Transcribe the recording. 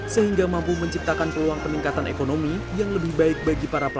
sehingga mampu menciptakan peluang peningkatan ekonomi kreatif